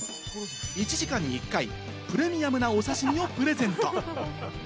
１時間に１回、プレミアムなお刺し身をプレゼント。